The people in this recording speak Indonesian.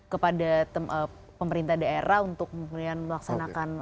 kepada pemerintah daerah untuk kemudian melaksanakan